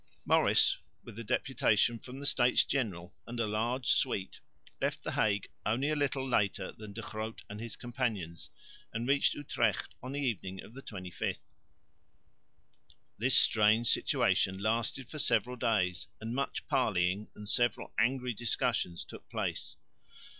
Maurice, with the deputation from the States General and a large suite, left the Hague only a little later than De Groot and his companions, and reached Utrecht on the evening of the 25th. This strange situation lasted for several days, and much parleying and several angry discussions took place.